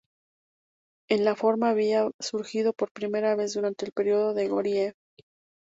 La forma había surgido por primera vez durante el período de Goryeo.